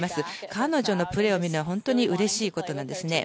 彼女のプレーを見るのは本当にうれしいことなんですね。